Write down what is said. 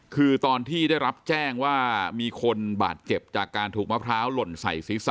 คือตอนที่ได้รับแจ้งว่ามีคนบาดเจ็บจากการถูกมะพร้าวหล่นใส่ศีรษะ